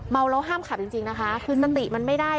เมาแล้วห้ามขับจริงจริงนะคะคือสติมันไม่ได้